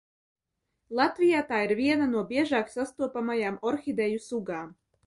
Latvijā tā ir viena no biežāk sastopamajām orhideju sugām.